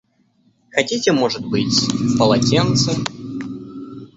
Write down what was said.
Хотите, может быть, полотенце?